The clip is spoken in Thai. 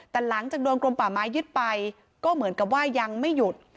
แต่หลังจากโดนกลมป่าไม้ยึดไปก็เหมือนกับว่ายังไม่หยุด